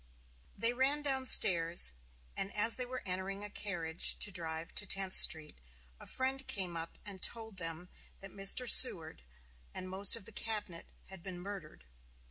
They ran down stairs, and as they were entering a carriage to drive to Tenth Street, a friend came up and told them that Mr. Seward and most of the cabinet had been murdered.